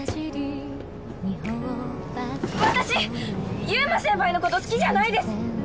私優馬先輩の事好きじゃないです！